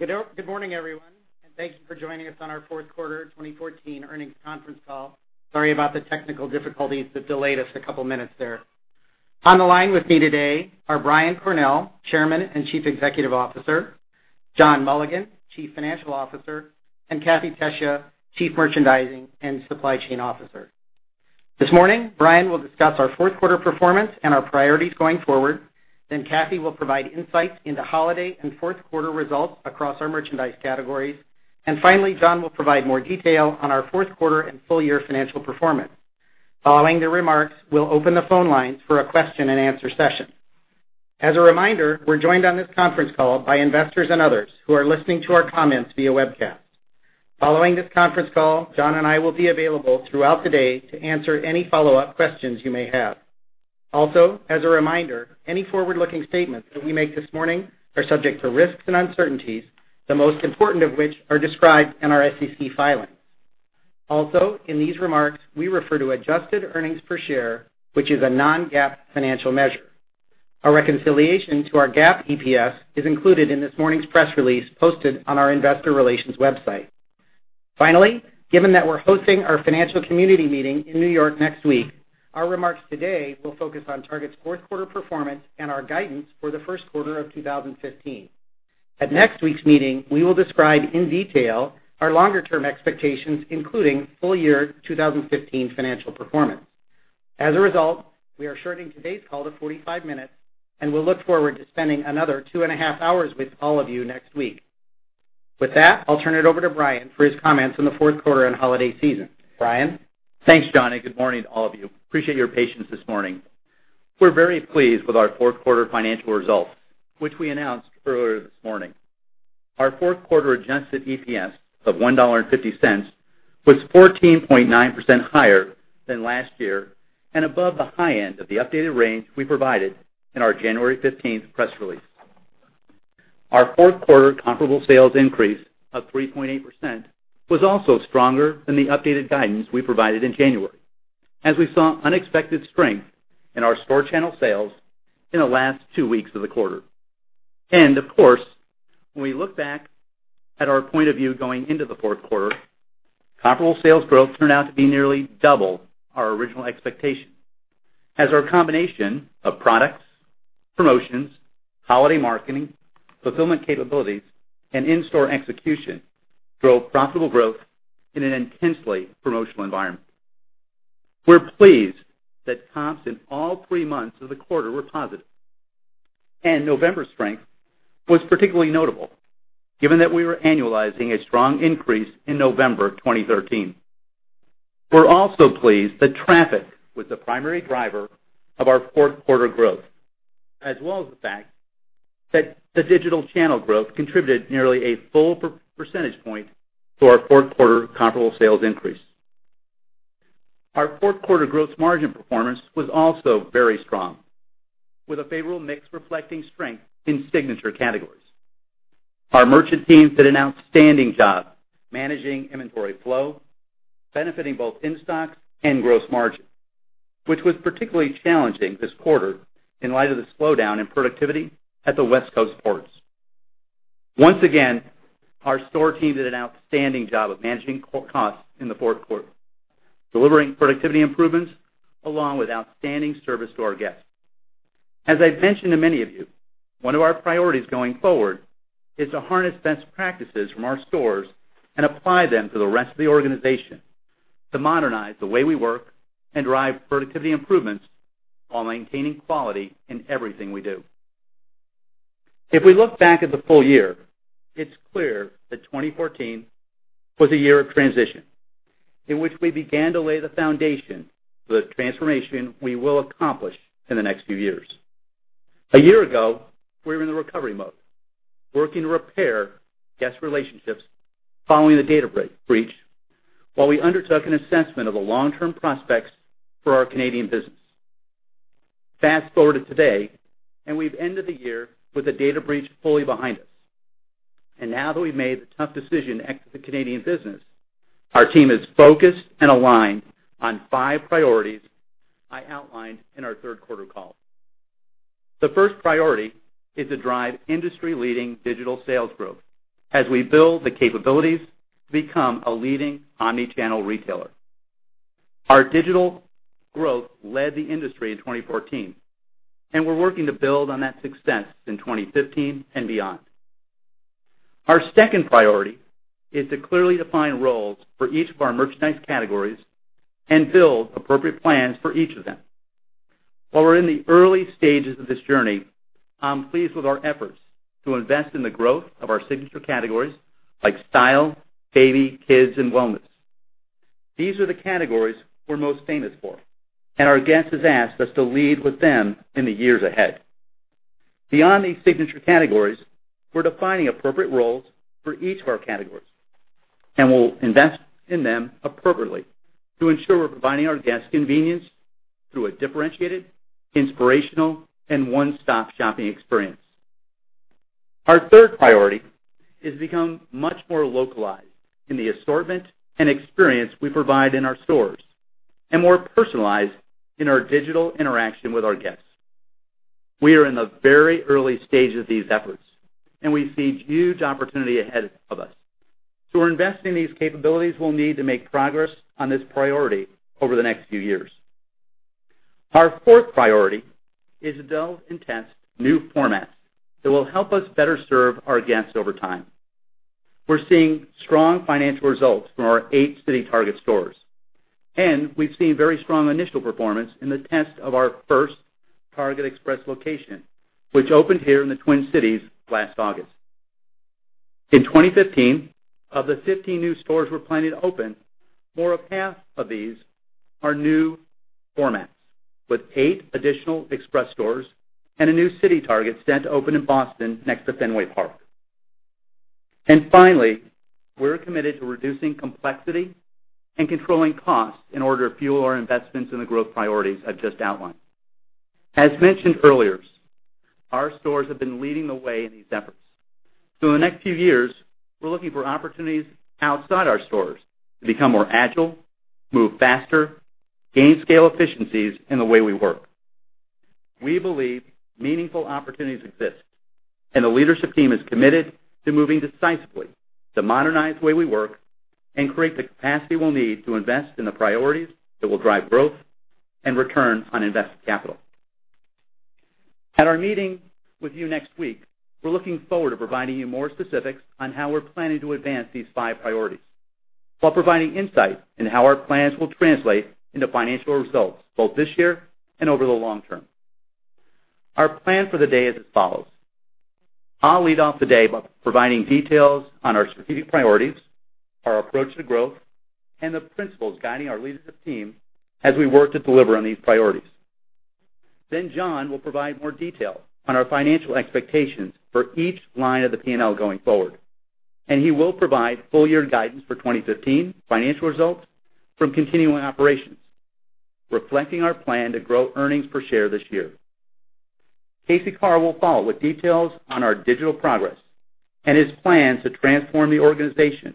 cSorry about the technical difficulties that delayed us a couple minutes there. On the line with me today are Brian Cornell, Chairman and Chief Executive Officer, John Mulligan, Chief Financial Officer, and Kathee Tesija, Chief Merchandising and Supply Chain Officer. This morning, Brian will discuss our fourth quarter performance and our priorities going forward. Kathee will provide insights into holiday and fourth quarter results across our merchandise categories. Finally, John will provide more detail on our fourth quarter and full year financial performance. Following their remarks, we'll open the phone lines for a question and answer session. As a reminder, we're joined on this conference call by investors and others who are listening to our comments via webcast. Following this conference call, John and I will be available throughout the day to answer any follow-up questions you may have. As a reminder, any forward-looking statements that we make this morning are subject to risks and uncertainties, the most important of which are described in our SEC filings. In these remarks, we refer to adjusted earnings per share, which is a non-GAAP financial measure. A reconciliation to our GAAP EPS is included in this morning's press release posted on our investor relations website. Given that we're hosting our financial community meeting in New York next week, our remarks today will focus on Target's fourth quarter performance and our guidance for the first quarter of 2015. At next week's meeting, we will describe in detail our longer term expectations, including full year 2015 financial performance. As a result, we are shorting today's call to 45 minutes, and we'll look forward to spending another two and a half hours with all of you next week. With that, I'll turn it over to Brian for his comments on the fourth quarter and holiday season. Brian? Thanks, John, and good morning to all of you. Appreciate your patience this morning. We're very pleased with our fourth quarter financial results, which we announced earlier this morning. Our fourth quarter adjusted EPS of $1.50 was 14.9% higher than last year and above the high end of the updated range we provided in our January 15th press release. Our fourth quarter comparable sales increase of 3.8% was also stronger than the updated guidance we provided in January, as we saw unexpected strength in our store channel sales in the last two weeks of the quarter. Of course, when we look back at our point of view going into the fourth quarter, comparable sales growth turned out to be nearly double our original expectation as our combination of products, promotions, holiday marketing, fulfillment capabilities, and in-store execution drove profitable growth in an intensely promotional environment. We're pleased that comps in all three months of the quarter were positive. November strength was particularly notable, given that we were annualizing a strong increase in November of 2013. We're also pleased that traffic was the primary driver of our fourth quarter growth, as well as the fact that the digital channel growth contributed nearly a full percentage point to our fourth quarter comparable sales increase. Our fourth quarter gross margin performance was also very strong, with a favorable mix reflecting strength in signature categories. Our merchant team did an outstanding job managing inventory flow, benefiting both in-stocks and gross margin, which was particularly challenging this quarter in light of the slowdown in productivity at the West Coast ports. Once again, our store team did an outstanding job of managing costs in the fourth quarter, delivering productivity improvements along with outstanding service to our guests. As I've mentioned to many of you, one of our priorities going forward is to harness best practices from our stores and apply them to the rest of the organization to modernize the way we work and drive productivity improvements while maintaining quality in everything we do. If we look back at the full year, it's clear that 2014 was a year of transition in which we began to lay the foundation for the transformation we will accomplish in the next few years. A year ago, we were in the recovery mode, working to repair guest relationships following the data breach, while we undertook an assessment of the long-term prospects for our Canadian business. Fast-forward to today, we've ended the year with the data breach fully behind us. Now that we've made the tough decision to exit the Canadian business, our team is focused and aligned on 5 priorities I outlined in our third quarter call. The first priority is to drive industry-leading digital sales growth as we build the capabilities to become a leading omnichannel retailer. Our digital growth led the industry in 2014, and we're working to build on that success in 2015 and beyond. Our second priority is to clearly define roles for each of our merchandise categories and build appropriate plans for each of them. While we're in the early stages of this journey, I'm pleased with our efforts to invest in the growth of our signature categories like style, baby, kids, and wellness. These are the categories we're most famous for, and our guests have asked us to lead with them in the years ahead. Beyond these signature categories, we're defining appropriate roles for each of our categories, we'll invest in them appropriately to ensure we're providing our guests convenience through a differentiated, inspirational, and one-stop shopping experience. Our third priority is to become much more localized in the assortment and experience we provide in our stores. More personalized in our digital interaction with our guests. We are in the very early stages of these efforts, we see huge opportunity ahead of us. We're investing in these capabilities we'll need to make progress on this priority over the next few years. Our fourth priority is to build and test new formats that will help us better serve our guests over time. We're seeing strong financial results from our eight CityTarget stores, and we've seen very strong initial performance in the test of our first TargetExpress location, which opened here in the Twin Cities last August. In 2015, of the 50 new stores we're planning to open, more of half of these are new formats, with eight additional Express stores and a new CityTarget set to open in Boston next to Fenway Park. Finally, we're committed to reducing complexity and controlling costs in order to fuel our investments in the growth priorities I've just outlined. As mentioned earlier, our stores have been leading the way in these efforts. In the next few years, we're looking for opportunities outside our stores to become more agile, move faster, gain scale efficiencies in the way we work. We believe meaningful opportunities exist. The leadership team is committed to moving decisively to modernize the way we work and create the capacity we'll need to invest in the priorities that will drive growth and return on invested capital. At our meeting with you next week, we're looking forward to providing you more specifics on how we're planning to advance these five priorities, while providing insight in how our plans will translate into financial results both this year and over the long term. Our plan for the day is as follows. I'll lead off the day by providing details on our strategic priorities, our approach to growth, and the principles guiding our leadership team as we work to deliver on these priorities. John will provide more detail on our financial expectations for each line of the P&L going forward, and he will provide full year guidance for 2015 financial results from continuing operations, reflecting our plan to grow earnings per share this year. Casey Carl will follow with details on our digital progress and his plans to transform the organization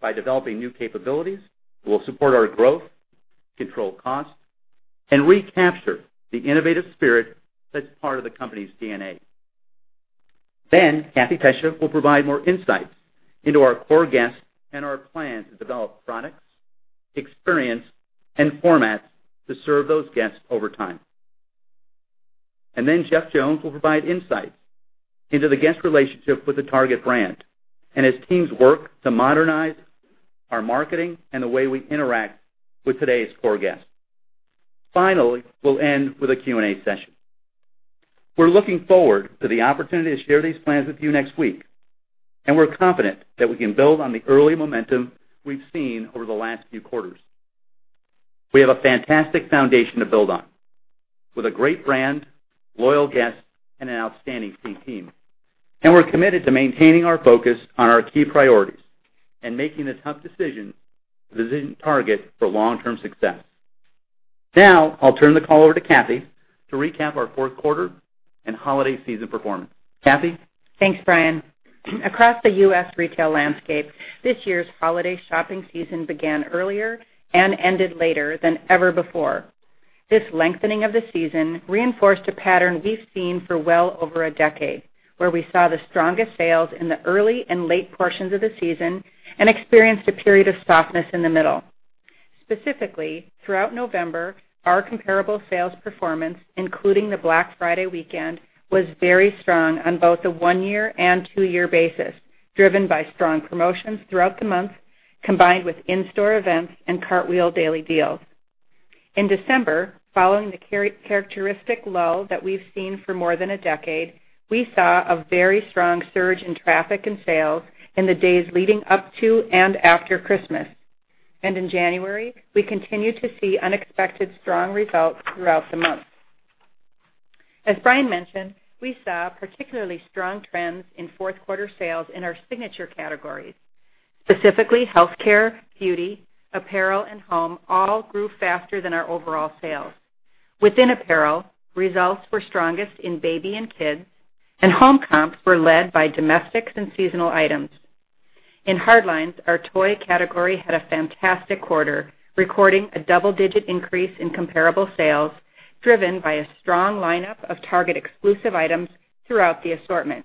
by developing new capabilities that will support our growth, control costs, and recapture the innovative spirit that's part of the company's DNA. Kathee Tesija will provide more insights into our core guests and our plans to develop products, experience, and formats to serve those guests over time. Jeff Jones will provide insights into the guest relationship with the Target brand and his team's work to modernize our marketing and the way we interact with today's core guests. Finally, we'll end with a Q&A session. We're looking forward to the opportunity to share these plans with you next week. We're confident that we can build on the early momentum we've seen over the last few quarters. We have a fantastic foundation to build on with a great brand, loyal guests, and an outstanding C team. We're committed to maintaining our focus on our key priorities and making the tough decisions to position Target for long-term success. I'll turn the call over to Kathee to recap our fourth quarter and holiday season performance. Kathee? Thanks, Brian. Across the U.S. retail landscape, this year's holiday shopping season began earlier and ended later than ever before. This lengthening of the season reinforced a pattern we've seen for well over a decade, where we saw the strongest sales in the early and late portions of the season and experienced a period of softness in the middle. Specifically, throughout November, our comparable sales performance, including the Black Friday weekend, was very strong on both the one-year and two-year basis, driven by strong promotions throughout the month, combined with in-store events and Cartwheel daily deals. In December, following the characteristic lull that we've seen for more than a decade, we saw a very strong surge in traffic and sales in the days leading up to and after Christmas. In January, we continued to see unexpected strong results throughout the month. As Brian mentioned, we saw particularly strong trends in fourth quarter sales in our signature categories. Specifically, healthcare, beauty, apparel, and home all grew faster than our overall sales. Within apparel, results were strongest in baby and kids, and home comps were led by domestics and seasonal items. In hard lines, our toy category had a fantastic quarter, recording a double-digit increase in comparable sales, driven by a strong lineup of Target-exclusive items throughout the assortment.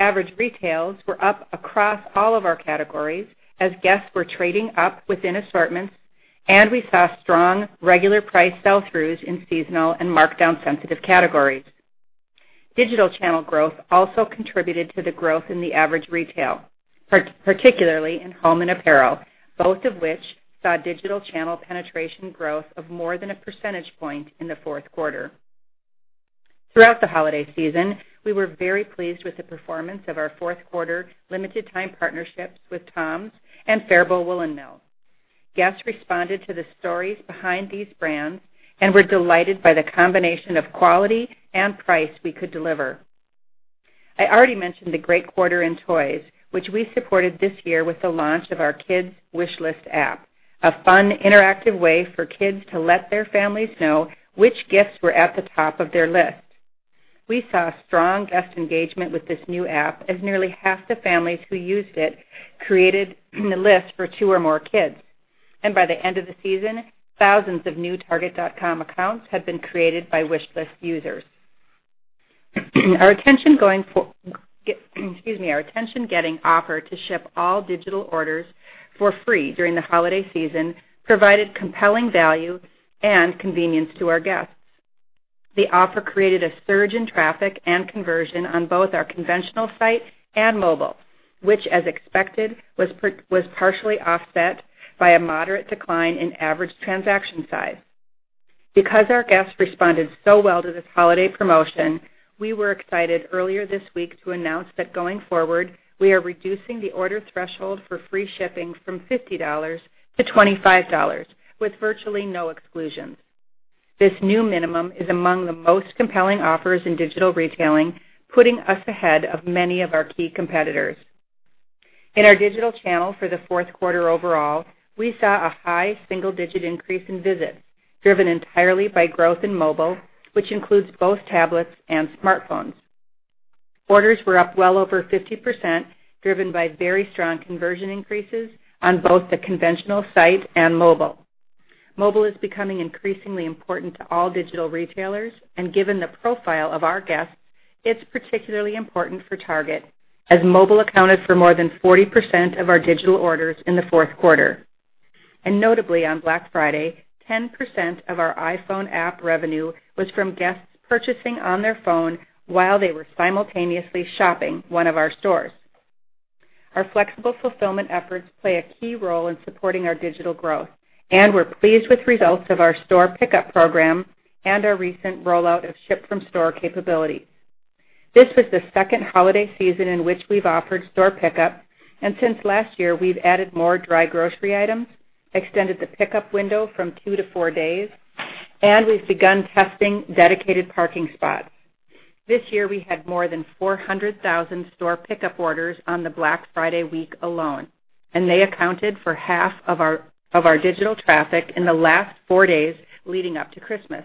Average retails were up across all of our categories as guests were trading up within assortments, and we saw strong regular price sell-throughs in seasonal and markdown-sensitive categories. Digital channel growth also contributed to the growth in the average retail, particularly in home and apparel, both of which saw digital channel penetration growth of more than a percentage point in the fourth quarter. Throughout the holiday season, we were very pleased with the performance of our fourth quarter limited time partnerships with TOMS and Faribault Woolen Mill. Guests responded to the stories behind these brands and were delighted by the combination of quality and price we could deliver. I already mentioned the great quarter in toys, which we supported this year with the launch of our Kids' Wish List app, a fun, interactive way for kids to let their families know which gifts were at the top of their list. We saw strong guest engagement with this new app, as nearly half the families who used it created a list for two or more kids. By the end of the season, thousands of new target.com accounts had been created by Wish List users. Our attention-getting offer to ship all digital orders for free during the holiday season provided compelling value and convenience to our guests. The offer created a surge in traffic and conversion on both our conventional site and mobile, which as expected, was partially offset by a moderate decline in average transaction size. Because our guests responded so well to this holiday promotion, we were excited earlier this week to announce that going forward, we are reducing the order threshold for free shipping from $50 to $25, with virtually no exclusions. This new minimum is among the most compelling offers in digital retailing, putting us ahead of many of our key competitors. In our digital channel for the fourth quarter overall, we saw a high single-digit increase in visits, driven entirely by growth in mobile, which includes both tablets and smartphones. Orders were up well over 50%, driven by very strong conversion increases on both the conventional site and mobile. Mobile is becoming increasingly important to all digital retailers, and given the profile of our guests, it's particularly important for Target, as mobile accounted for more than 40% of our digital orders in the fourth quarter. Notably, on Black Friday, 10% of our iPhone app revenue was from guests purchasing on their phone while they were simultaneously shopping one of our stores. Our flexible fulfillment efforts play a key role in supporting our digital growth, and we're pleased with results of our store pickup program and our recent rollout of ship-from-store capability. This was the second holiday season in which we've offered store pickup, and since last year, we've added more dry grocery items, extended the pickup window from two to four days, and we've begun testing dedicated parking spots. This year, we had more than 400,000 store pickup orders on the Black Friday week alone, and they accounted for half of our digital traffic in the last four days leading up to Christmas.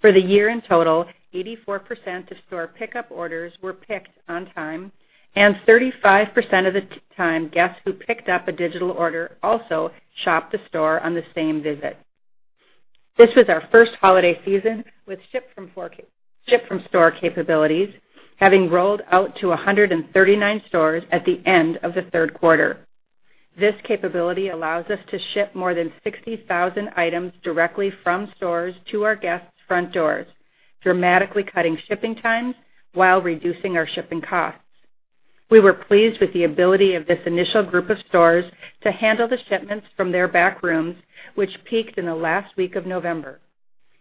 For the year in total, 84% of store pickup orders were picked on time, and 35% of the time, guests who picked up a digital order also shopped the store on the same visit. This was our first holiday season with ship-from-store capabilities, having rolled out to 139 stores at the end of the third quarter. This capability allows us to ship more than 60,000 items directly from stores to our guests' front doors, dramatically cutting shipping times while reducing our shipping costs. We were pleased with the ability of this initial group of stores to handle the shipments from their back rooms, which peaked in the last week of November.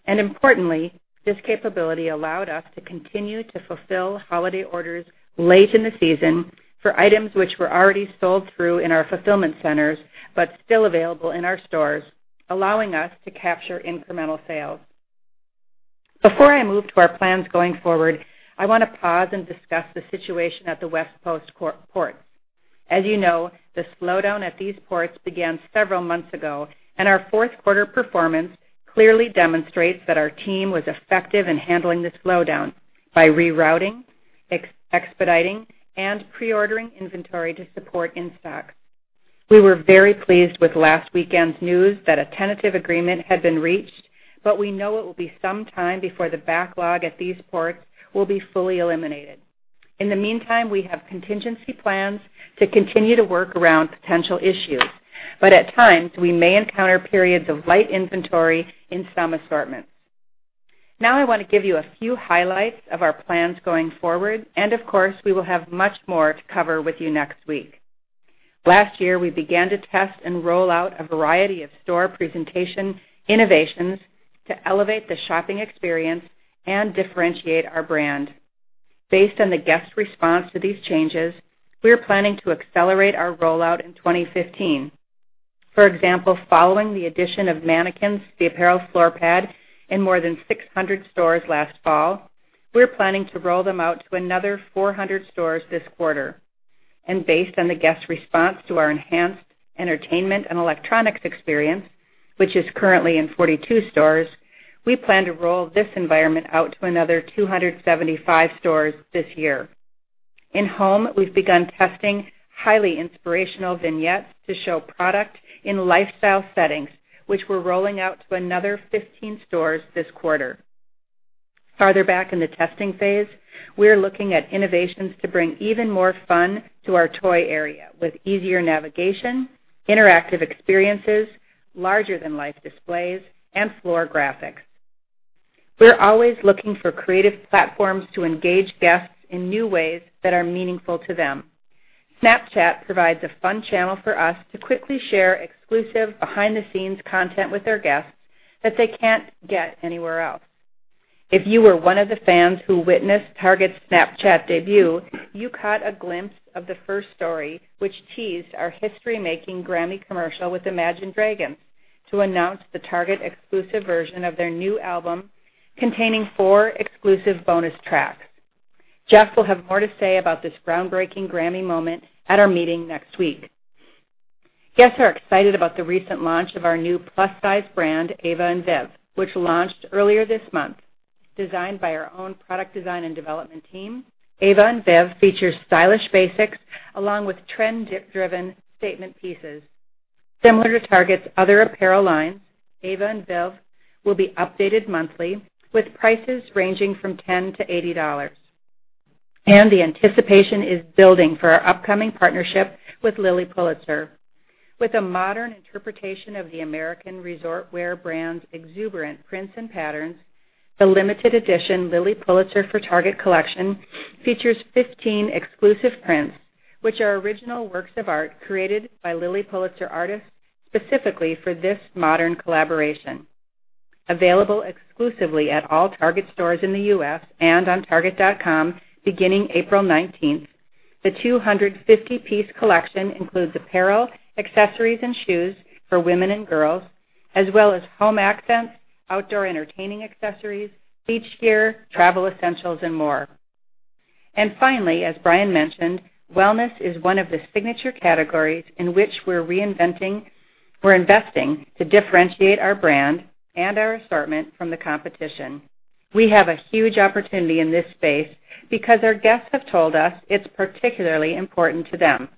Importantly, this capability allowed us to continue to fulfill holiday orders late in the season for items which were already sold through in our fulfillment centers, but still available in our stores, allowing us to capture incremental sales. Before I move to our plans going forward, I want to pause and discuss the situation at the West Coast ports. As you know, the slowdown at these ports began several months ago, and our fourth quarter performance clearly demonstrates that our team was effective in handling the slowdown by rerouting, expediting, and pre-ordering inventory to support in-stock. We were very pleased with last weekend's news that a tentative agreement had been reached, but we know it will be some time before the backlog at these ports will be fully eliminated. In the meantime, we have contingency plans to continue to work around potential issues, but at times, we may encounter periods of light inventory in some assortments. Now I want to give you a few highlights of our plans going forward, and of course, we will have much more to cover with you next week. Last year, we began to test and roll out a variety of store presentation innovations to elevate the shopping experience and differentiate our brand. Based on the guest response to these changes, we are planning to accelerate our rollout in 2015. For example, following the addition of mannequins to the apparel floor pad in more than 600 stores last fall, we're planning to roll them out to another 400 stores this quarter. Based on the guest response to our enhanced entertainment and electronics experience, which is currently in 42 stores, we plan to roll this environment out to another 275 stores this year. In Home, we've begun testing highly inspirational vignettes to show product in lifestyle settings, which we're rolling out to another 15 stores this quarter. Farther back in the testing phase, we're looking at innovations to bring even more fun to our toy area, with easier navigation, interactive experiences, larger-than-life displays, and floor graphics. We're always looking for creative platforms to engage guests in new ways that are meaningful to them. Snapchat provides a fun channel for us to quickly share exclusive, behind-the-scenes content with our guests that they can't get anywhere else. If you were one of the fans who witnessed Target's Snapchat debut, you caught a glimpse of the first story, which teased our history-making Grammy commercial with Imagine Dragons to announce the Target exclusive version of their new album, containing four exclusive bonus tracks. Jeff will have more to say about this groundbreaking Grammy moment at our meeting next week. Guests are excited about the recent launch of our new plus-size brand, Ava & Viv, which launched earlier this month. Designed by our own product design and development team, Ava & Viv features stylish basics along with trend-driven statement pieces. Similar to Target's other apparel lines, Ava & Viv will be updated monthly, with prices ranging from $10-$80. The anticipation is building for our upcoming partnership with Lilly Pulitzer. With a modern interpretation of the American resort wear brand's exuberant prints and patterns, the limited edition Lilly Pulitzer for Target collection features 15 exclusive prints, which are original works of art created by Lilly Pulitzer artists specifically for this modern collaboration. Available exclusively at all Target stores in the U.S. and on target.com beginning April 19th, the 250-piece collection includes apparel, accessories, and shoes for women and girls, as well as home accents, outdoor entertaining accessories, beach gear, travel essentials, and more. Finally, as Brian mentioned, wellness is one of the signature categories in which we're investing to differentiate our brand and our assortment from the competition. We have a huge opportunity in this space because our guests have told us it's particularly important to them.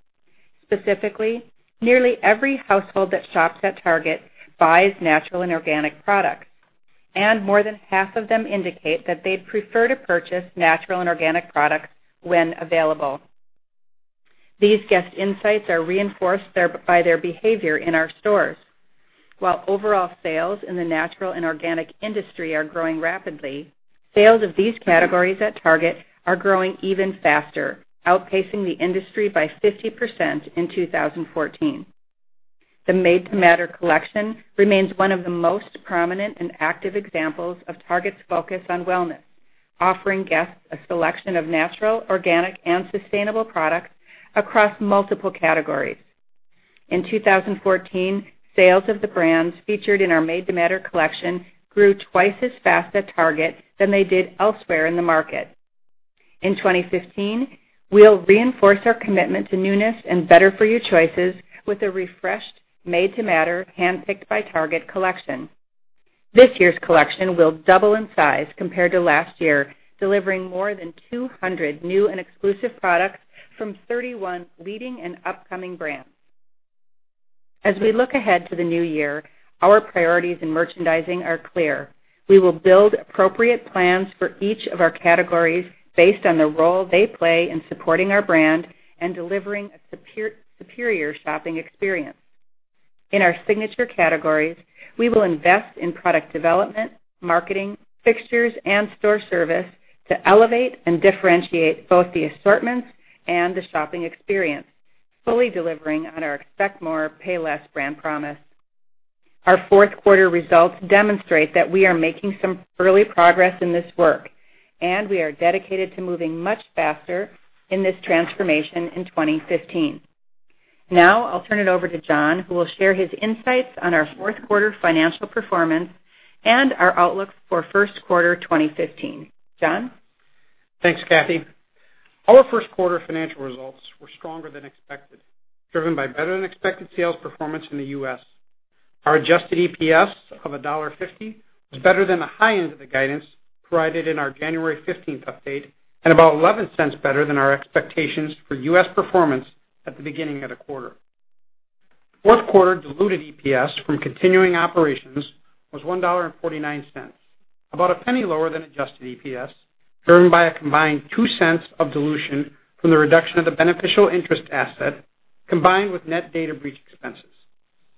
Specifically, nearly every household that shops at Target buys natural and organic products, and more than half of them indicate that they'd prefer to purchase natural and organic products when available. These guest insights are reinforced by their behavior in our stores. While overall sales in the natural and organic industry are growing rapidly, sales of these categories at Target are growing even faster, outpacing the industry by 50% in 2014. The Made to Matter collection remains one of the most prominent and active examples of Target's focus on wellness, offering guests a selection of natural, organic, and sustainable products across multiple categories. In 2014, sales of the brands featured in our Made to Matter collection grew twice as fast at Target than they did elsewhere in the market. In 2015, we'll reinforce our commitment to newness and better for you choices with a refreshed Made to Matter–Handpicked by Target collection. This year's collection will double in size compared to last year, delivering more than 200 new and exclusive products from 31 leading and upcoming brands. As we look ahead to the new year, our priorities in merchandising are clear. We will build appropriate plans for each of our categories based on the role they play in supporting our brand and delivering a superior shopping experience. In our signature categories, we will invest in product development, marketing, fixtures, and store service to elevate and differentiate both the assortments and the shopping experience, fully delivering on our Expect More. Pay Less brand promise. Our fourth quarter results demonstrate that we are making some early progress in this work, and we are dedicated to moving much faster in this transformation in 2015. Now, I'll turn it over to John, who will share his insights on our fourth quarter financial performance and our outlook for first quarter 2015. John? Thanks, Cathy. Our first quarter financial results were stronger than expected, driven by better-than-expected sales performance in the U.S. Our adjusted EPS of $1.50 was better than the high end of the guidance provided in our January 15th update, and about $0.11 better than our expectations for U.S. performance at the beginning of the quarter. Fourth quarter diluted EPS from continuing operations was $1.49, about $0.01 lower than adjusted EPS, driven by a combined $0.02 of dilution from the reduction of the beneficial interest asset, combined with net data breach expenses,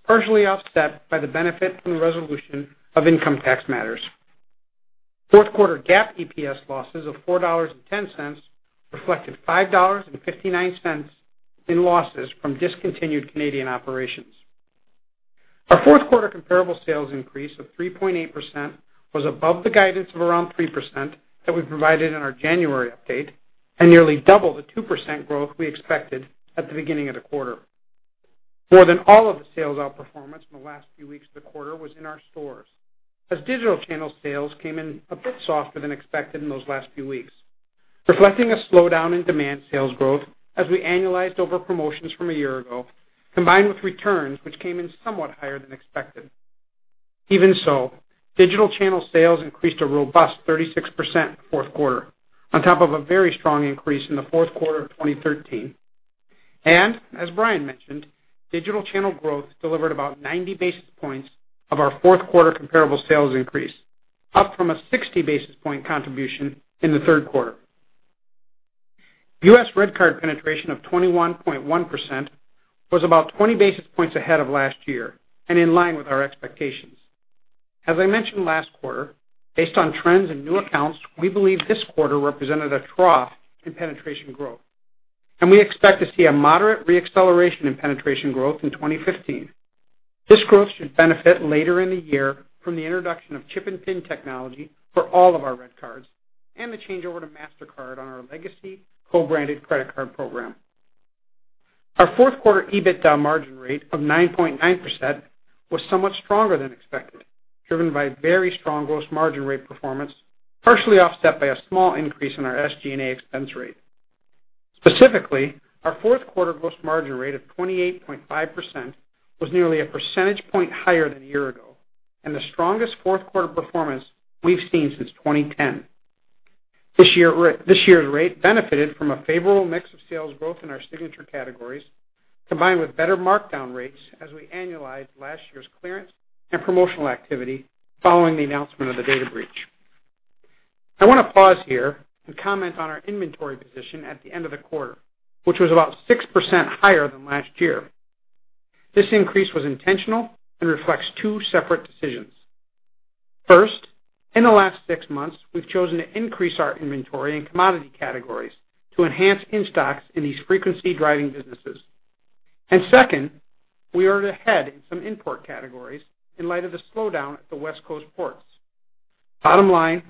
partially offset by the benefit from the resolution of income tax matters. Fourth quarter GAAP EPS losses of $4.10 reflected $5.59 in losses from discontinued Canadian operations. Our fourth quarter comparable sales increase of 3.8% was above the guidance of around 3% that we provided in our January update, and nearly double the 2% growth we expected at the beginning of the quarter. More than all of the sales outperformance in the last few weeks of the quarter was in our stores, as digital channel sales came in a bit softer than expected in those last few weeks, reflecting a slowdown in demand sales growth as we annualized over promotions from a year ago, combined with returns, which came in somewhat higher than expected. Even so, digital channel sales increased a robust 36% fourth quarter, on top of a very strong increase in the fourth quarter of 2013. As Brian mentioned, digital channel growth delivered about 90 basis points of our fourth quarter comparable sales increase, up from a 60 basis point contribution in the third quarter. U.S. Target RedCard penetration of 21.1% was about 20 basis points ahead of last year and in line with our expectations. As I mentioned last quarter, based on trends in new accounts, we believe this quarter represented a trough in penetration growth, and we expect to see a moderate re-acceleration in penetration growth in 2015. This growth should benefit later in the year from the introduction of chip and PIN technology for all of our RedCards and the change over to Mastercard on our legacy co-branded credit card program. Our fourth quarter EBITDA margin rate of 9.9% was somewhat stronger than expected. Driven by very strong gross margin rate performance, partially offset by a small increase in our SG&A expense rate. Specifically, our fourth quarter gross margin rate of 28.5% was nearly a percentage point higher than a year ago, and the strongest fourth quarter performance we've seen since 2010. This year's rate benefited from a favorable mix of sales growth in our signature categories, combined with better markdown rates as we annualize last year's clearance and promotional activity following the announcement of the data breach. I want to pause here and comment on our inventory position at the end of the quarter, which was about 6% higher than last year. This increase was intentional and reflects two separate decisions. First, in the last six months, we've chosen to increase our inventory and commodity categories to enhance in-stocks in these frequency-driving businesses. Second, we are ahead in some import categories in light of the slowdown at the West Coast ports. Bottom line,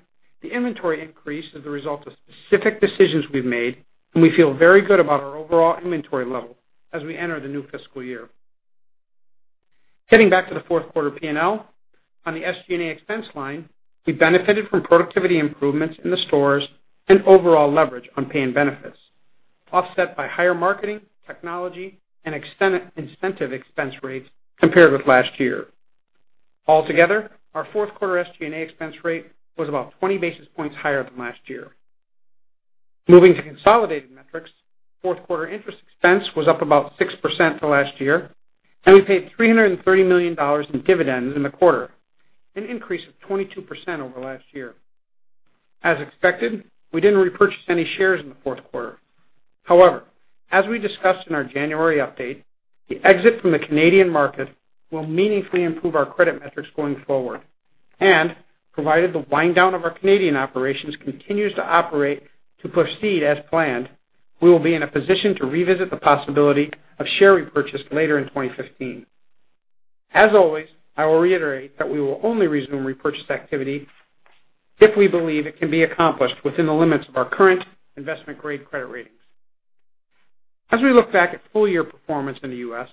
the inventory increase is the result of specific decisions we've made, and we feel very good about our overall inventory level as we enter the new fiscal year. Getting back to the fourth quarter P&L, on the SG&A expense line, we benefited from productivity improvements in the stores and overall leverage on pay and benefits, offset by higher marketing, technology, and incentive expense rates compared with last year. All together, our fourth quarter SG&A expense rate was about 20 basis points higher than last year. Moving to consolidated metrics, fourth quarter interest expense was up about 6% to last year, and we paid $330 million in dividends in the quarter, an increase of 22% over last year. As expected, we didn't repurchase any shares in the fourth quarter. As we discussed in our January update, the exit from the Canadian market will meaningfully improve our credit metrics going forward. Provided the wind down of our Canadian operations continues to operate to proceed as planned, we will be in a position to revisit the possibility of share repurchase later in 2015. As always, I will reiterate that we will only resume repurchase activity if we believe it can be accomplished within the limits of our current investment-grade credit ratings. As we look back at full-year performance in the U.S.,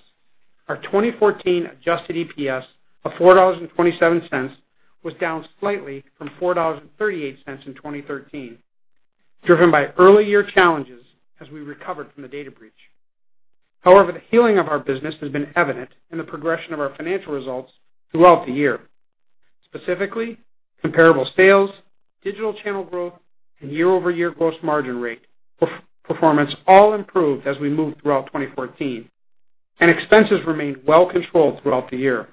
our 2014 adjusted EPS of $4.27 was down slightly from $4.38 in 2013, driven by early year challenges as we recovered from the data breach. The healing of our business has been evident in the progression of our financial results throughout the year. Specifically, comparable sales, digital channel growth, and year-over-year gross margin rate performance all improved as we moved throughout 2014. Expenses remained well-controlled throughout the year.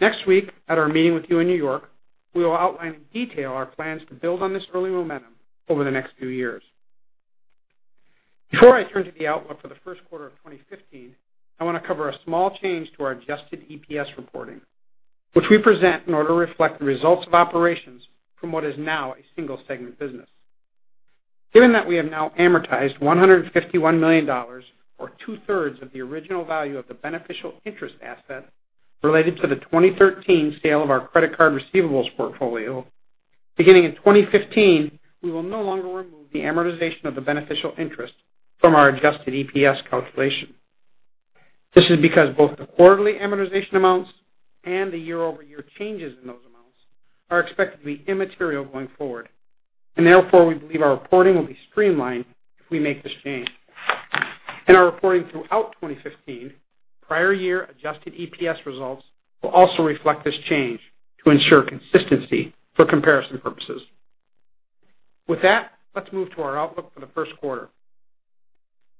Next week, at our meeting with you in New York, we will outline in detail our plans to build on this early momentum over the next few years. Before I turn to the outlook for the first quarter of 2015, I want to cover a small change to our adjusted EPS reporting, which we present in order to reflect the results of operations from what is now a single-segment business. Given that we have now amortized $151 million, or two-thirds of the original value of the beneficial interest asset related to the 2013 sale of our credit card receivables portfolio, beginning in 2015, we will no longer remove the amortization of the beneficial interest from our adjusted EPS calculation. This is because both the quarterly amortization amounts and the year-over-year changes in those amounts are expected to be immaterial going forward. Therefore, we believe our reporting will be streamlined if we make this change. In our reporting throughout 2015, prior year adjusted EPS results will also reflect this change to ensure consistency for comparison purposes. With that, let's move to our outlook for the first quarter.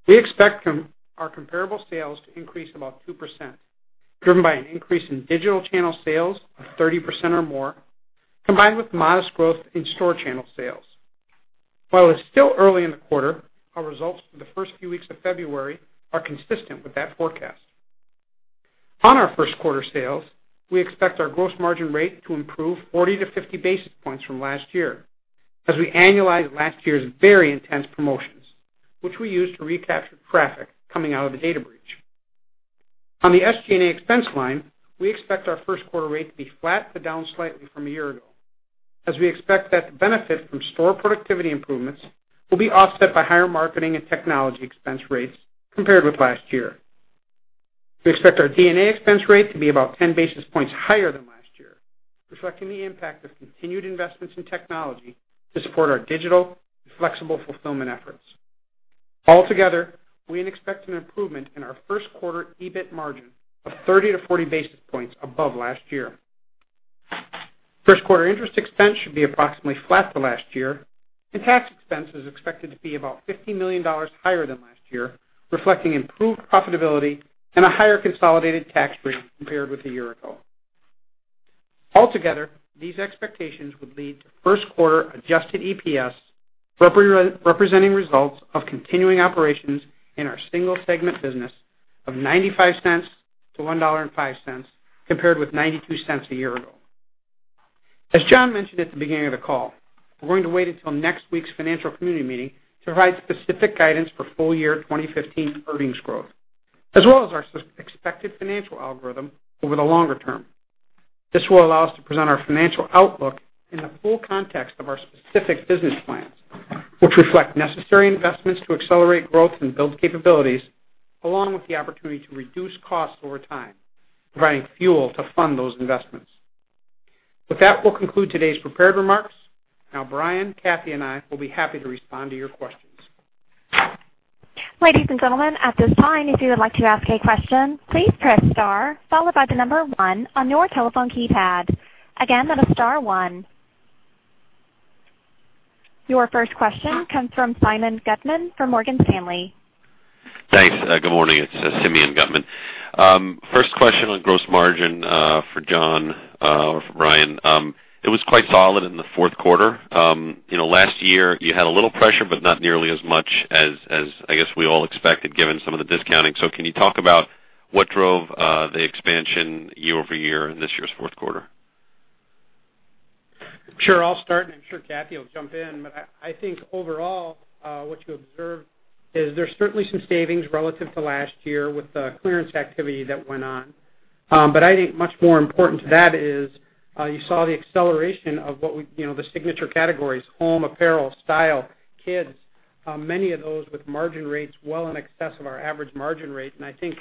We expect our comparable sales to increase about 2%, driven by an increase in digital channel sales of 30% or more, combined with modest growth in store channel sales. While it's still early in the quarter, our results for the first few weeks of February are consistent with that forecast. On our first quarter sales, we expect our gross margin rate to improve 40 to 50 basis points from last year as we annualize last year's very intense promotions, which we used to recapture traffic coming out of the data breach. On the SG&A expense line, we expect our first quarter rate to be flat to down slightly from a year ago, as we expect that the benefit from store productivity improvements will be offset by higher marketing and technology expense rates compared with last year. We expect our G&A expense rate to be about 10 basis points higher than last year, reflecting the impact of continued investments in technology to support our digital flexible fulfillment efforts. All together, we expect an improvement in our first quarter EBIT margin of 30 to 40 basis points above last year. First quarter interest expense should be approximately flat to last year. Tax expense is expected to be about $50 million higher than last year, reflecting improved profitability and a higher consolidated tax rate compared with a year ago. All together, these expectations would lead to first quarter adjusted EPS representing results of continuing operations in our single-segment business of $0.95 to $1.05, compared with $0.92 a year ago. As John mentioned at the beginning of the call, we're going to wait until next week's financial community meeting to provide specific guidance for full-year 2015 earnings growth, as well as our expected financial algorithm over the longer term. This will allow us to present our financial outlook in the full context of our specific business plans. Which reflect necessary investments to accelerate growth and build capabilities, along with the opportunity to reduce costs over time, providing fuel to fund those investments. With that, we'll conclude today's prepared remarks. Now, Brian, Cathy, and I will be happy to respond to your questions. Ladies and gentlemen, at this time, if you would like to ask a question, please press star followed by the number 1 on your telephone keypad. Again, that is star 1. Your first question comes from Simeon Gutman from Morgan Stanley. Thanks. Good morning. It's Simeon Gutman. First question on gross margin for John or for Brian. It was quite solid in the fourth quarter. Last year you had a little pressure, but not nearly as much as, I guess, we all expected given some of the discounting. Can you talk about what drove the expansion year-over-year in this year's fourth quarter? Sure. I'll start, and I'm sure Cathy will jump in. I think overall, what you observed is there's certainly some savings relative to last year with the clearance activity that went on. I think much more important to that is, you saw the acceleration of the signature categories, home, apparel, style, kids. Many of those with margin rates well in excess of our average margin rate. I think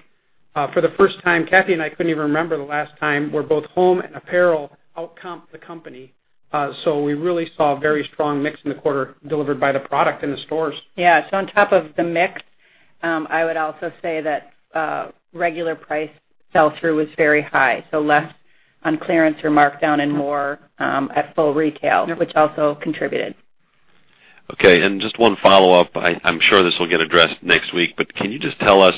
for the first time, Cathy and I couldn't even remember the last time, where both home and apparel out-comp the company. We really saw a very strong mix in the quarter delivered by the product in the stores. On top of the mix, I would also say that regular price sell-through was very high, so less on clearance or markdown and more at full retail, which also contributed. Okay, just one follow-up. I'm sure this will get addressed next week, but can you just tell us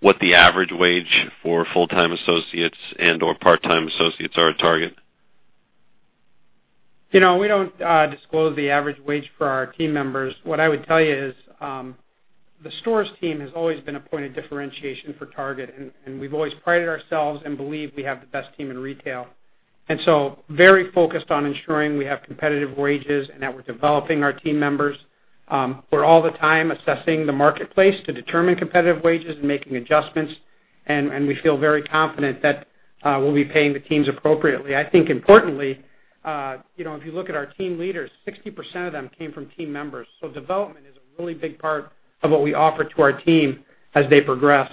what the average wage for full-time associates and/or part-time associates are at Target? We don't disclose the average wage for our team members. What I would tell you is, the stores team has always been a point of differentiation for Target, we've always prided ourselves and believe we have the best team in retail. Very focused on ensuring we have competitive wages and that we're developing our team members. We're all the time assessing the marketplace to determine competitive wages and making adjustments, and we feel very confident that we'll be paying the teams appropriately. I think importantly, if you look at our team leaders, 60% of them came from team members. Development is a really big part of what we offer to our team as they progress.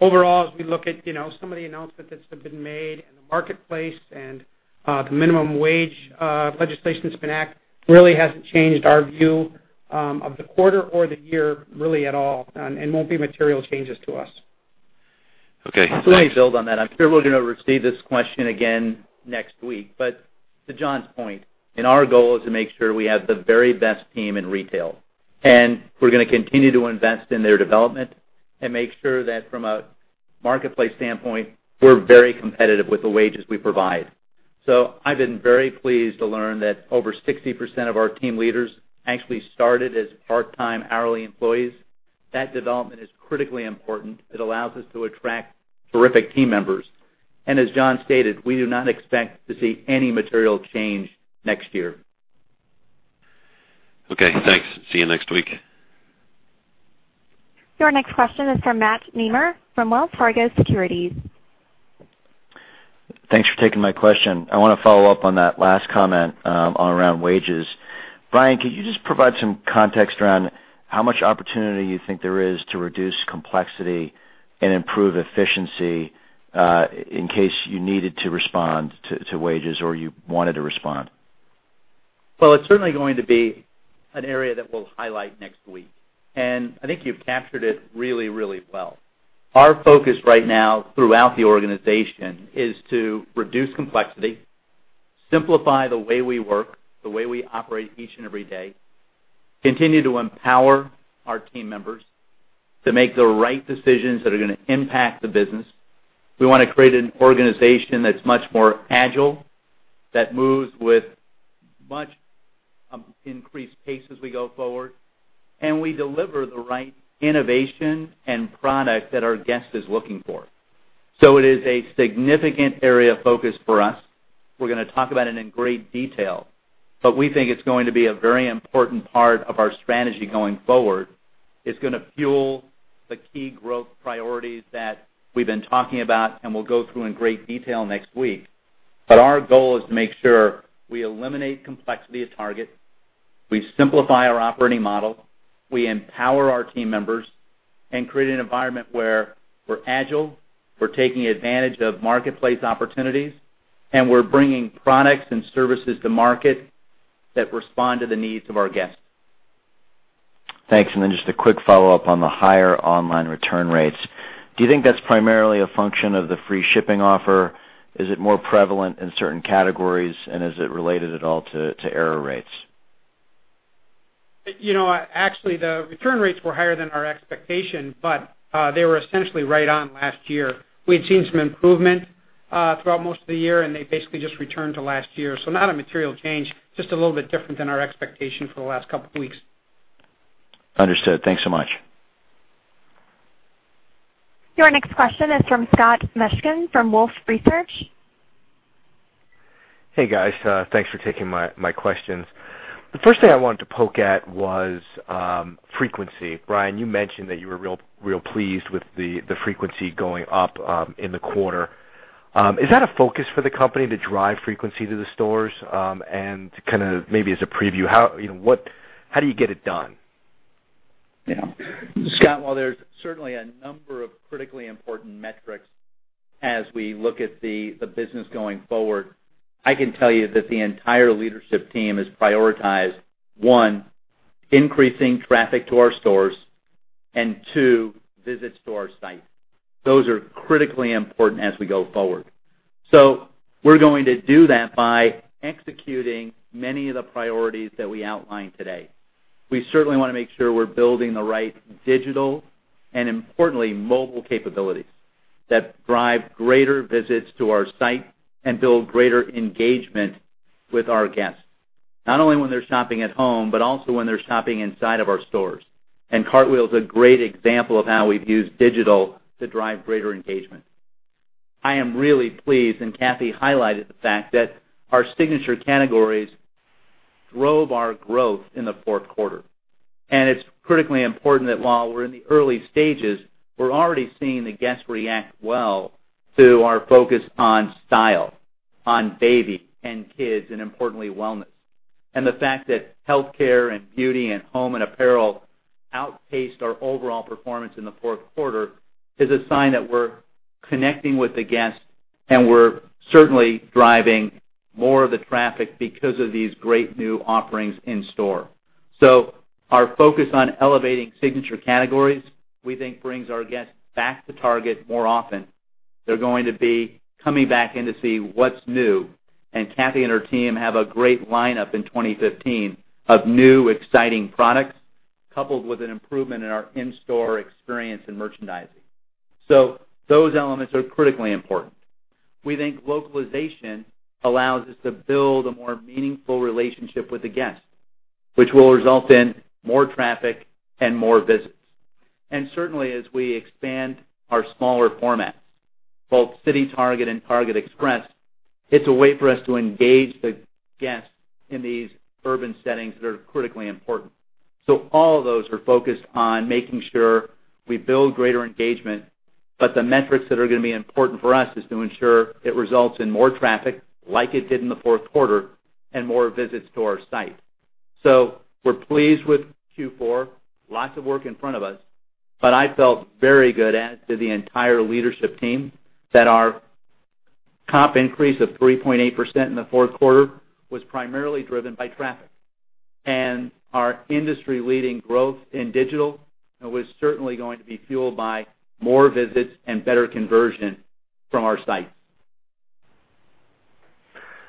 Overall, as we look at some of the announcements that have been made in the marketplace and the minimum wage legislation that's been acted, really hasn't changed our view of the quarter or the year really at all, and won't be material changes to us. Okay. Thanks. Let me build on that. I'm sure we're going to receive this question again next week. To John's point, our goal is to make sure we have the very best team in retail. We're going to continue to invest in their development and make sure that from a marketplace standpoint, we're very competitive with the wages we provide. I've been very pleased to learn that over 60% of our team leaders actually started as part-time hourly employees. That development is critically important. It allows us to attract terrific team members. As John stated, we do not expect to see any material change next year. Okay, thanks. See you next week. Your next question is from Matt Nemer from Wells Fargo Securities. Thanks for taking my question. I want to follow up on that last comment around wages. Brian, could you just provide some context around how much opportunity you think there is to reduce complexity and improve efficiency, in case you needed to respond to wages or you wanted to respond? Well, it's certainly going to be an area that we'll highlight next week. I think you've captured it really, really well. Our focus right now throughout the organization is to reduce complexity, simplify the way we work, the way we operate each and every day, continue to empower our team members to make the right decisions that are going to impact the business. We want to create an organization that's much more agile, that moves with much increased pace as we go forward, and we deliver the right innovation and product that our guest is looking for. It is a significant area of focus for us. We're going to talk about it in great detail, but we think it's going to be a very important part of our strategy going forward. It's going to fuel the key growth priorities that we've been talking about and will go through in great detail next week. Our goal is to make sure we eliminate complexity at Target, we simplify our operating model, we empower our team members, and create an environment where we're agile, we're taking advantage of marketplace opportunities, and we're bringing products and services to market that respond to the needs of our guests. Thanks. Just a quick follow-up on the higher online return rates. Do you think that's primarily a function of the free shipping offer? Is it more prevalent in certain categories? Is it related at all to error rates? Actually, the return rates were higher than our expectation, but they were essentially right on last year. We had seen some improvement throughout most of the year, they basically just returned to last year. Not a material change, just a little bit different than our expectation for the last couple of weeks. Understood. Thanks so much. Your next question is from Scott Mushkin from Wolfe Research. Hey, guys. Thanks for taking my questions. The first thing I wanted to poke at was frequency. Brian, you mentioned that you were real pleased with the frequency going up in the quarter. Is that a focus for the company to drive frequency to the stores? Maybe as a preview, how do you get it done? Scott, while there's certainly a number of critically important metrics as we look at the business going forward, I can tell you that the entire leadership team has prioritized, one, increasing traffic to our stores, and two, visits to our site. Those are critically important as we go forward. We're going to do that by executing many of the priorities that we outlined today. We certainly want to make sure we're building the right digital and importantly, mobile capabilities that drive greater visits to our site and build greater engagement with our guests, not only when they're shopping at home, but also when they're shopping inside of our stores. Cartwheel is a great example of how we've used digital to drive greater engagement. I am really pleased, and Cathy highlighted the fact, that our signature categories drove our growth in the fourth quarter. It's critically important that while we're in the early stages, we're already seeing the guests react well to our focus on style, on baby and kids, and importantly, wellness. The fact that healthcare and beauty and home and apparel outpaced our overall performance in the fourth quarter is a sign that we're connecting with the guests, and we're certainly driving more of the traffic because of these great new offerings in-store. Our focus on elevating signature categories, we think, brings our guests back to Target more often. They're going to be coming back in to see what's new, and Cathy and her team have a great lineup in 2015 of new, exciting products, coupled with an improvement in our in-store experience and merchandising. Those elements are critically important. We think localization allows us to build a more meaningful relationship with the guest, which will result in more traffic and more visits. Certainly, as we expand our smaller formats, both CityTarget and TargetExpress, it's a way for us to engage the guests in these urban settings that are critically important. All of those are focused on making sure we build greater engagement. The metrics that are going to be important for us is to ensure it results in more traffic, like it did in the fourth quarter, and more visits to our site. We're pleased with Q4, lots of work in front of us, but I felt very good, as did the entire leadership team, that our comp increase of 3.8% in the fourth quarter was primarily driven by traffic. Our industry-leading growth in digital was certainly going to be fueled by more visits and better conversion from our site.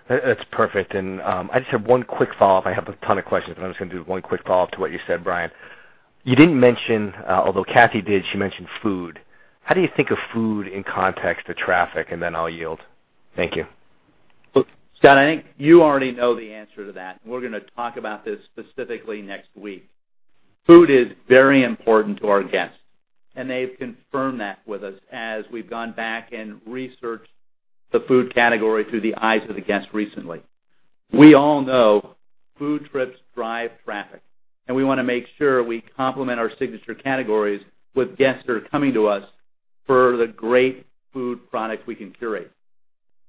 That's perfect. I just have one quick follow-up. I have a ton of questions, I'm just going to do one quick follow-up to what you said, Brian. You didn't mention, although Cathy did, she mentioned food. How do you think of food in context to traffic? Then I'll yield. Thank you. Look, Scott, I think you already know the answer to that, we're going to talk about this specifically next week. Food is very important to our guests, they've confirmed that with us as we've gone back and researched the food category through the eyes of the guest recently. We all know food trips drive traffic, we want to make sure we complement our signature categories with guests that are coming to us for the great food products we can curate.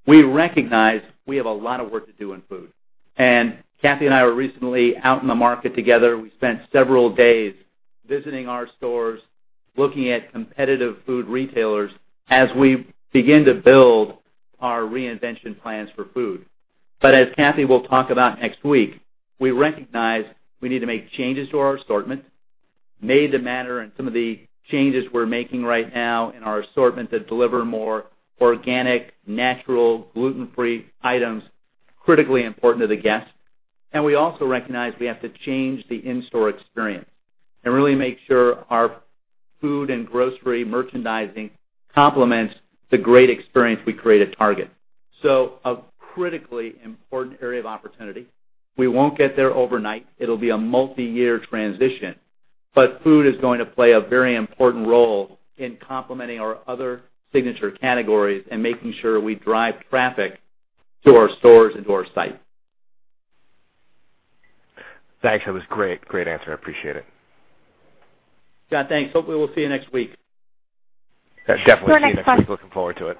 We recognize we have a lot of work to do in food. Cathy and I were recently out in the market together. We spent several days visiting our stores, looking at competitive food retailers as we begin to build our reinvention plans for food. As Cathy will talk about next week, we recognize we need to make changes to our assortment, Made to Matter and some of the changes we're making right now in our assortment that deliver more organic, natural, gluten-free items, critically important to the guest. We also recognize we have to change the in-store experience and really make sure our food and grocery merchandising complements the great experience we create at Target. A critically important area of opportunity. We won't get there overnight. It'll be a multi-year transition, food is going to play a very important role in complementing our other signature categories and making sure we drive traffic to our stores and to our site. Thanks. That was great. Great answer. I appreciate it. Scott, thanks. Hopefully, we'll see you next week. Yes, definitely. See you next week. Looking forward to it.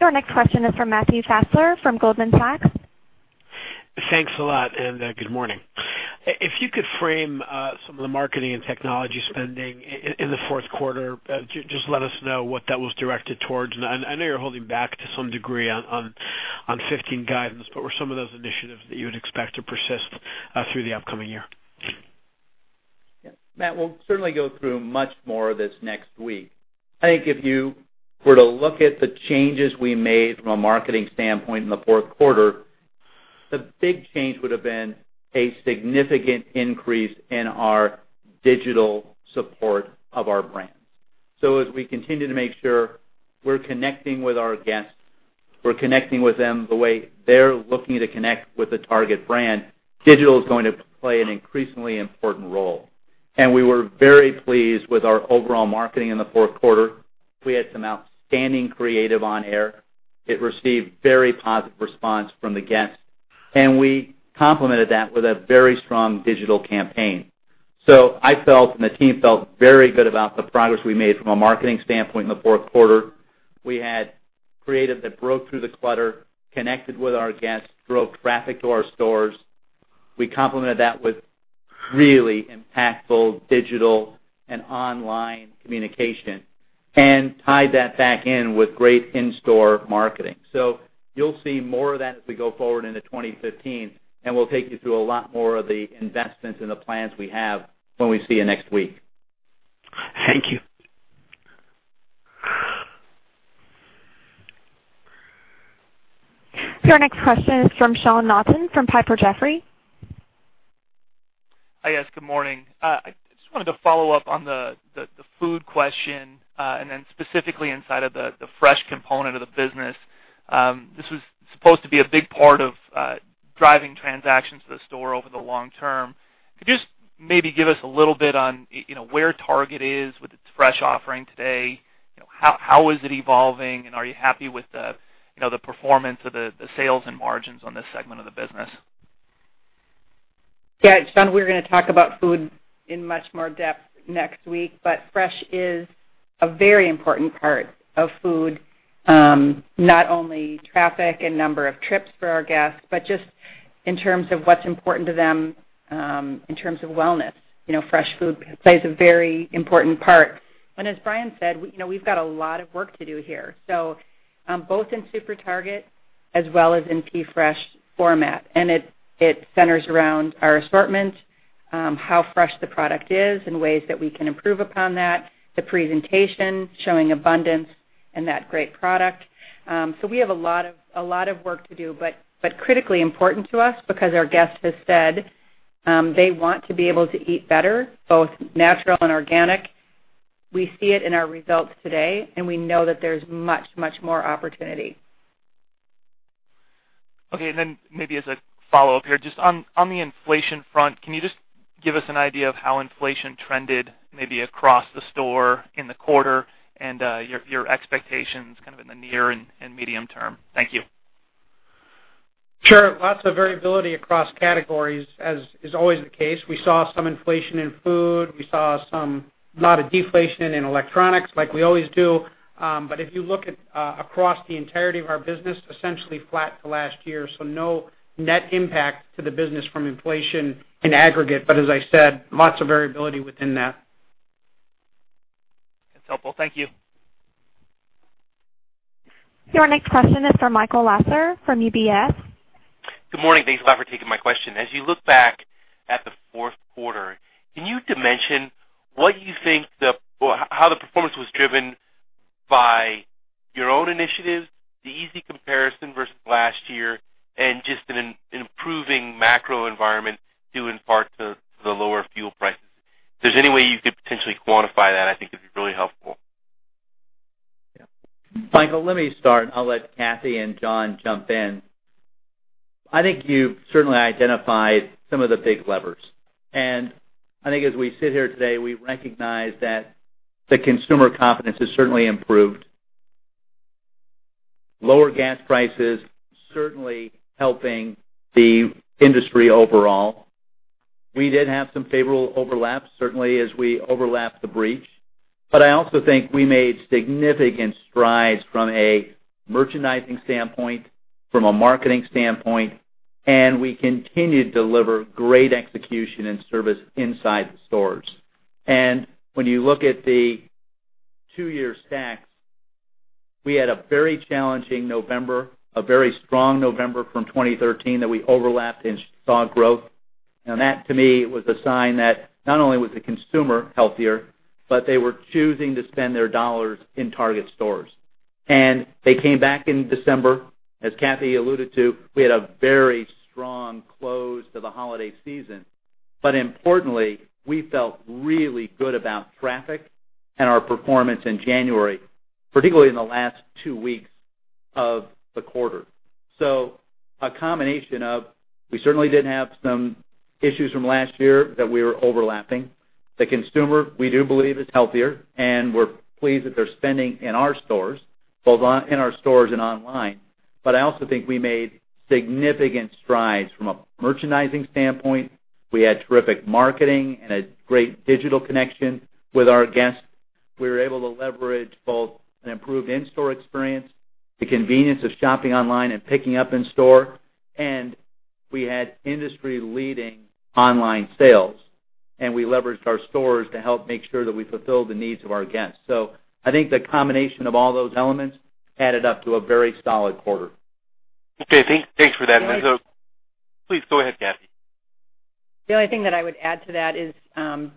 Your next question is from Matthew Fassler from Goldman Sachs. Thanks a lot. Good morning. If you could frame some of the marketing and technology spending in the fourth quarter, just let us know what that was directed towards. I know you're holding back to some degree on 2015 guidance, what are some of those initiatives that you would expect to persist through the upcoming year? Yeah. Matt, we'll certainly go through much more of this next week. I think if you were to look at the changes we made from a marketing standpoint in the fourth quarter, the big change would have been a significant increase in our digital support of our brands. As we continue to make sure we're connecting with our guests, we're connecting with them the way they're looking to connect with the Target brand, digital is going to play an increasingly important role. We were very pleased with our overall marketing in the fourth quarter. We had some outstanding creative on air. It received very positive response from the guests, and we complemented that with a very strong digital campaign. I felt, and the team felt very good about the progress we made from a marketing standpoint in the fourth quarter. We had creative that broke through the clutter, connected with our guests, drove traffic to our stores. We complemented that with really impactful digital and online communication and tied that back in with great in-store marketing. You'll see more of that as we go forward into 2015, and we'll take you through a lot more of the investments and the plans we have when we see you next week. Thank you. Your next question is from Sean Naughton from Piper Jaffray. Hi, yes, good morning. I just wanted to follow up on the food question, specifically inside of the fresh component of the business. This was supposed to be a big part of driving transactions to the store over the long term. Could you just maybe give us a little bit on where Target is with its fresh offering today? How is it evolving? Are you happy with the performance of the sales and margins on this segment of the business? Yeah, Sean, we're going to talk about food in much more depth next week, fresh is a very important part of food, not only traffic and number of trips for our guests, just in terms of what's important to them, in terms of wellness. Fresh food plays a very important part. As Brian said, we've got a lot of work to do here. Both in SuperTarget as well as in PFresh format, it centers around our assortment, how fresh the product is and ways that we can improve upon that, the presentation, showing abundance and that great product. We have a lot of work to do, critically important to us because our guests have said, they want to be able to eat better, both natural and organic. We see it in our results today, we know that there's much more opportunity. Maybe as a follow-up here, just on the inflation front, can you just give us an idea of how inflation trended maybe across the store in the quarter, your expectations kind of in the near and medium term? Thank you. Sure. Lots of variability across categories, as is always the case. We saw some inflation in food. We saw a lot of deflation in electronics like we always do. If you look at across the entirety of our business, essentially flat to last year, so no net impact to the business from inflation in aggregate. As I said, lots of variability within that. That's helpful. Thank you. Your next question is from Michael Lasser from UBS. Good morning. Thanks a lot for taking my question. As you look back at the fourth quarter, can you dimension how the performance was driven by your own initiatives, the easy comparison versus last year, and just an improving macro environment due in part to the lower fuel prices? If there's any way you could potentially quantify that, I think it'd be really helpful. Yeah. Michael, let me start. I'll let Cathy and John jump in. I think you've certainly identified some of the big levers. I think as we sit here today, we recognize that the consumer confidence has certainly improved. Lower gas prices certainly helping the industry overall. We did have some favorable overlaps, certainly as we overlapped the breach. I also think we made significant strides from a merchandising standpoint, from a marketing standpoint, and we continue to deliver great execution and service inside the stores. When you look at the two-year stacks, we had a very challenging November, a very strong November from 2013 that we overlapped and saw growth. That to me was a sign that not only was the consumer healthier, but they were choosing to spend their dollars in Target stores. They came back in December. As Cathy alluded to, we had a very strong close to the holiday season. Importantly, we felt really good about traffic and our performance in January, particularly in the last two weeks of the quarter. A combination of, we certainly did have some issues from last year that we were overlapping. The consumer, we do believe, is healthier, and we're pleased that they're spending in our stores, both in our stores and online. I also think we made significant strides from a merchandising standpoint. We had terrific marketing and a great digital connection with our guests. We were able to leverage both an improved in-store experience, the convenience of shopping online, and picking up in store. We had industry-leading online sales, and we leveraged our stores to help make sure that we fulfilled the needs of our guests. I think the combination of all those elements added up to a very solid quarter. Okay, thanks for that. Please go ahead, Cathy. The only thing that I would add to that is,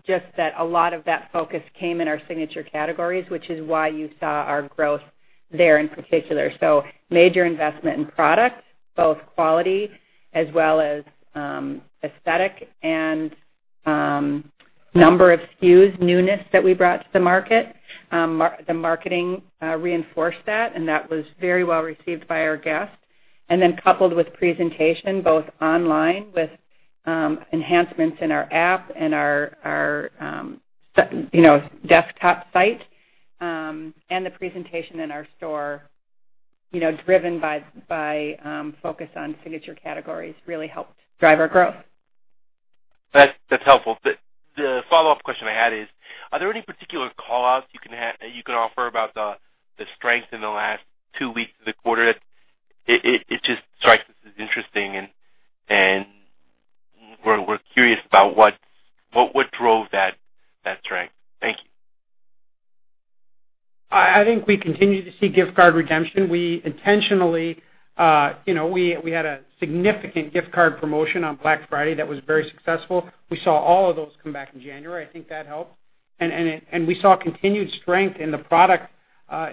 just that a lot of that focus came in our signature categories, which is why you saw our growth there in particular. Major investment in product, both quality as well as aesthetic and number of SKUs, newness that we brought to the market. The marketing reinforced that, and that was very well received by our guests. Coupled with presentation, both online with enhancements in our app and our desktop site, and the presentation in our store Driven by focus on signature categories really helped drive our growth. That's helpful. The follow-up question I had is, are there any particular call-outs you can offer about the strength in the last two weeks of the quarter? It just strikes us as interesting, and we're curious about what drove that strength. Thank you. I think we continue to see gift card redemption. We had a significant gift card promotion on Black Friday that was very successful. We saw all of those come back in January. I think that helped. We saw continued strength in the product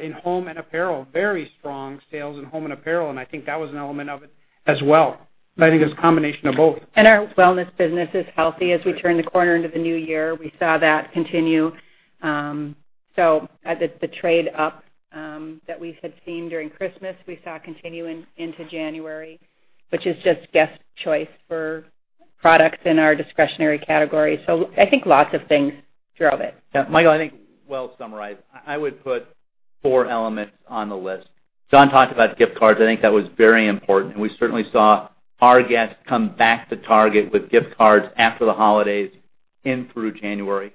in home and apparel. Very strong sales in home and apparel, and I think that was an element of it as well. I think it was a combination of both. Our wellness business is healthy. As we turn the corner into the new year, we saw that continue. The trade up that we had seen during Christmas, we saw continue into January, which is just guest choice for products in our discretionary category. I think lots of things drove it. Michael, I think well summarized. I would put four elements on the list. John talked about gift cards. I think that was very important, and we certainly saw our guests come back to Target with gift cards after the holidays in through January.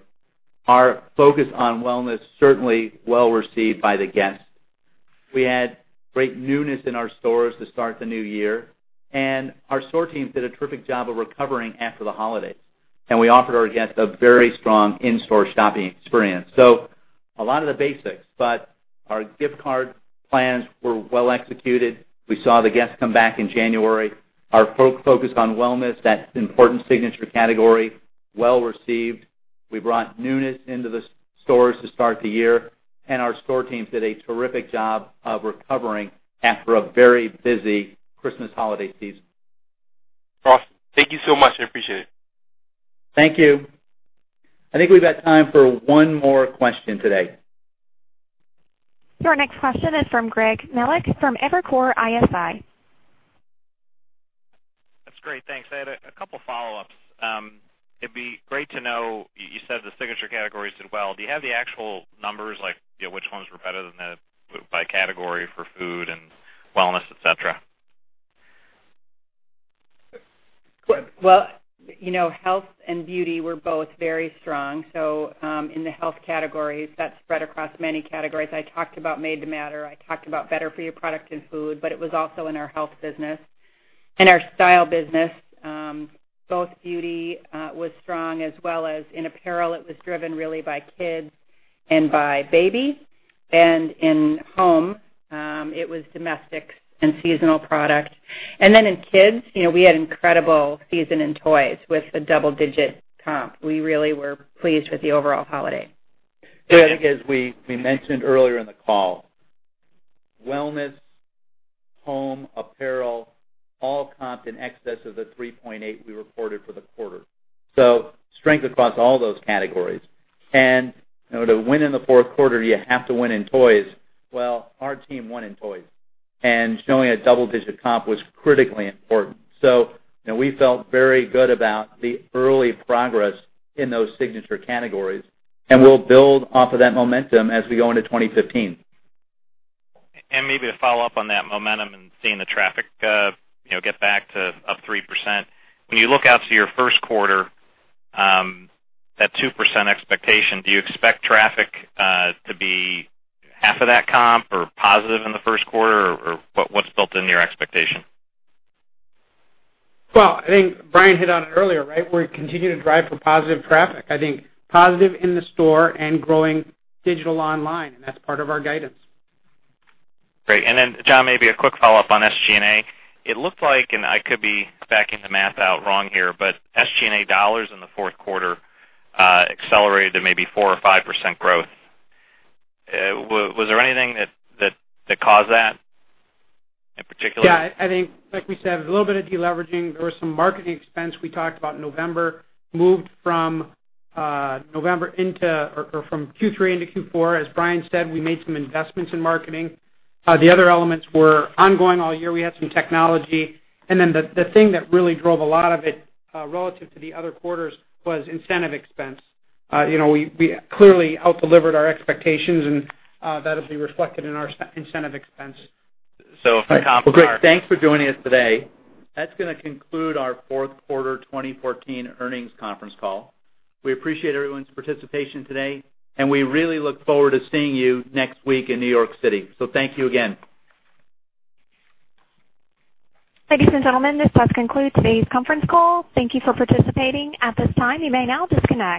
Our focus on wellness, certainly well received by the guests. We had great newness in our stores to start the new year. Our store teams did a terrific job of recovering after the holidays. We offered our guests a very strong in-store shopping experience. A lot of the basics, but our gift card plans were well executed. We saw the guests come back in January. Our focus on wellness, that important signature category, well received. We brought newness into the stores to start the year, and our store teams did a terrific job of recovering after a very busy Christmas holiday season. Awesome. Thank you so much. I appreciate it. Thank you. I think we've got time for one more question today. Our next question is from Greg Melich from Evercore ISI. That's great. Thanks. I had a couple follow-ups. It'd be great to know, you said the signature categories did well. Do you have the actual numbers, like which ones were better than the other, by category for food and wellness, et cetera? Well, health and beauty were both very strong. In the health categories, that spread across many categories. I talked about Made to Matter. I talked about better-for-you product and food, it was also in our health business and our style business. Both beauty was strong, as well as in apparel, it was driven really by kids and by baby. In home, it was domestics and seasonal product. In kids, we had incredible season in toys with a double-digit comp. We really were pleased with the overall holiday. I think as we mentioned earlier in the call, wellness, home, apparel, all comped in excess of the 3.8 we reported for the quarter. Strength across all those categories. To win in the fourth quarter, you have to win in toys. Well, our team won in toys, and showing a double-digit comp was critically important. We felt very good about the early progress in those signature categories, and we'll build off of that momentum as we go into 2015. Maybe to follow up on that momentum and seeing the traffic get back to up 3%. When you look out to your first quarter, that 2% expectation, do you expect traffic to be half of that comp or positive in the first quarter, or what's built into your expectation? I think Brian hit on it earlier, right? We continue to drive for positive traffic. I think positive in the store and growing digital online, that's part of our guidance. Great. John, maybe a quick follow-up on SG&A. It looked like, and I could be backing the math out wrong here, but SG&A dollars in the fourth quarter accelerated to maybe 4% or 5% growth. Was there anything that caused that in particular? Yeah, I think like we said, a little bit of deleveraging. There was some marketing expense we talked about November, moved from Q3 into Q4. As Brian said, we made some investments in marketing. The other elements were ongoing all year. We had some technology. The thing that really drove a lot of it, relative to the other quarters, was incentive expense. We clearly out-delivered our expectations, and that'll be reflected in our incentive expense. If I comp. Well, great. Thanks for joining us today. That's going to conclude our fourth quarter 2014 earnings conference call. We appreciate everyone's participation today, and we really look forward to seeing you next week in New York City. Thank you again. Ladies and gentlemen, this does conclude today's conference call. Thank you for participating. At this time, you may now disconnect.